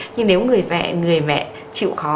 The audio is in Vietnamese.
nhưng nếu người mẹ chịu khó